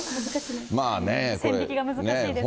線引きが難しいですね。